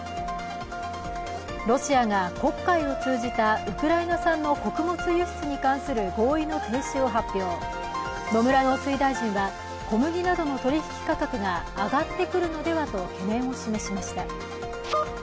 ロシアが黒海を通じたウクライナ産の穀物輸出に関する合意の停止を発表、野村農水大臣は小麦などの取引価格が上がってくるのではと懸念を示しました。